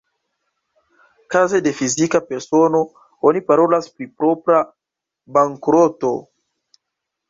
Kaze de fizika persono, oni parolas pri propra bankroto.